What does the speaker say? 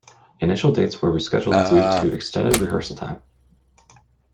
Initial dates were rescheduled due to extended rehearsal time.